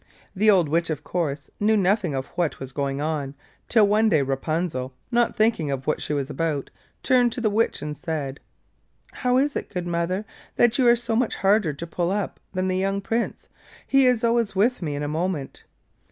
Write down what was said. The old Witch, of course, knew nothing of what was going on, till one day Rapunzel, not thinking of what she was about, turned to the Witch and said: 'How is it, good mother, that you are so much harder to pull up than the young Prince? He is always with me in a moment.